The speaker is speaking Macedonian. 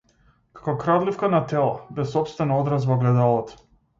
Како крадливка на тела, без сопствен одраз во огледалото.